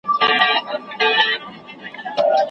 جهاني نور هغه مالت راته ډېر مه یادوه